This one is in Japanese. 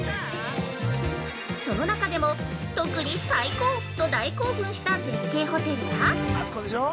その中でも特に最高と大興奮した絶景ホテルが。